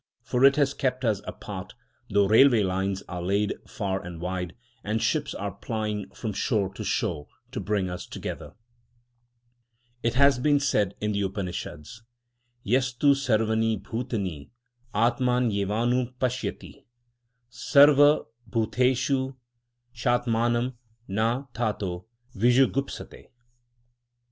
For it has kept us apart, though railway lines are laid far and wide, and ships are plying from shore to shore to bring us together. It has been said in the Upanishads: Yastu sarvâni bhutâni âtmânyevânupashyati Sarva bhuteshu châtmânam na tato vijugupsate.